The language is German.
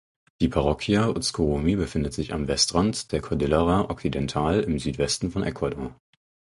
Die Parroquia Uzhcurrumi befindet sich am Westrand der Cordillera Occidental im Südwesten von Ecuador.